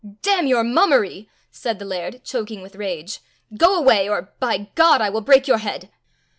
"Damn your mummery!" said the laird, choking with rage. "Go away, or, by God! I will break your head."